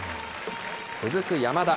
続く山田。